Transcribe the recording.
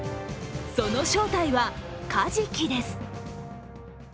その正体はカジキです。